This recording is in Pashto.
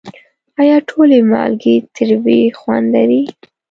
آیا ټولې مالګې تریو خوند لري؟